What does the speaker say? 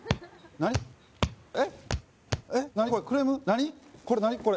何これ？